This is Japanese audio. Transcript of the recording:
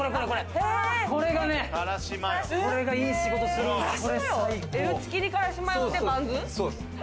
これがいい仕事するんですよ。